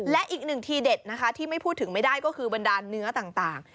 และอีกหนึ่งทีเด็ดนะคะที่ไม่พูดถึงไม่ได้ก็คือบรรดาลเนื้อต่าง